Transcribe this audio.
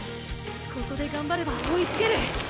ここで頑張れば追いつける。